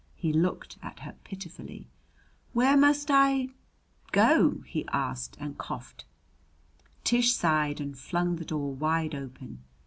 He looked at her pitifully. "Where must I go?" he asked, and coughed. Tish sighed and flung the door wide open.